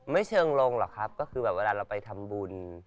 เชิงลงหรอกครับก็คือแบบเวลาเราไปทำบุญ